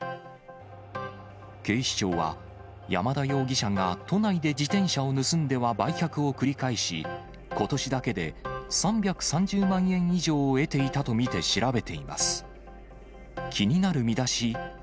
警視庁は、山田容疑者が都内で自転車を盗んでは売却を繰り返し、ことしだけで３３０万円以上を得ていたと見て調べています。